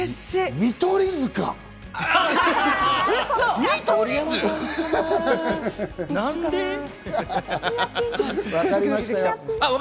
見取り図か？